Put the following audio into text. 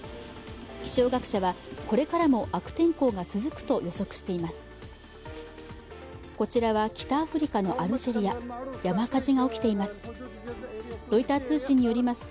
気象学者は、これからも悪天候が続くと予測しています。